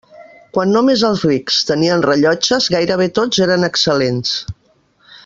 Quan només els rics tenien rellotges, gairebé tots eren excel·lents.